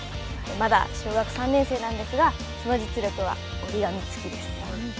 まだ小学３年生なんですがその実力は折り紙つきです。